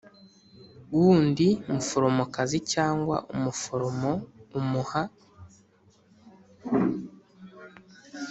Wundi muforomokazi cyangwa umuforomo umuha